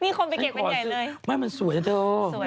ให้เขาเอามาขายนี่คนไปเก็บเป็นใหญ่เลย